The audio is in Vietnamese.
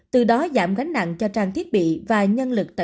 từ đó giảm gánh nặng cho trang thiết bị và nhân lực tập trung